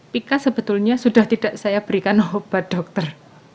pika sebetulnya sudah tidak saya berikan obat dokter